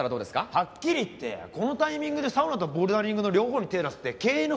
はっきり言ってこのタイミングでサウナとボルダリングの両方に手ぇ出すって経営の